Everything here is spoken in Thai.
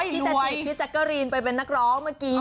ที่จะจีบพี่แจ๊กกะรีนไปเป็นนักร้องเมื่อกี้